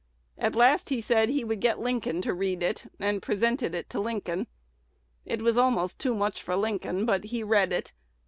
At last he said he would get Lincoln to read it, and presented it to Lincoln. It was almost too much for Lincoln, but he read it.